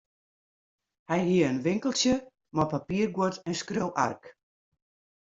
Hy hie in winkeltsje mei papierguod en skriuwark.